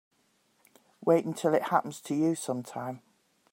Wait until it happens to you sometime.